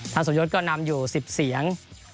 สมยศก็นำอยู่๑๐เสียง